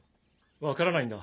分からないんだ。